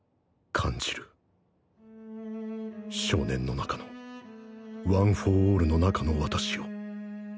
感じる少年の中のワン・フォー・オールの中の私を